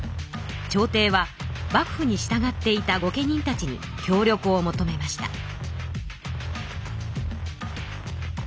朝廷は幕府にしたがっていた御家人たちに協力を求めました。